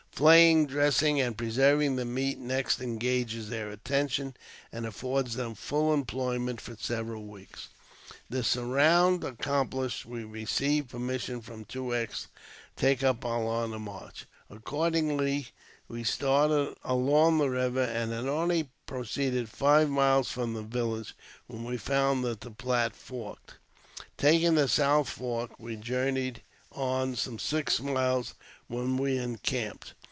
Flaying, dressing, and pre serving the meat next engages their attention, and affords them full employment for several weeks. The "surround" accomplished, we received permission from Two Axe to take up our line of march. Accordingly, we started along the river, and had only proceeded five miles from the village when we found that the Platte forked. Taking the south fork, we journeyed on some six miles, when we en camped.